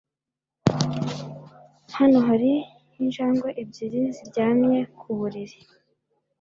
Hano hari injangwe ebyiri ziryamye ku buriri.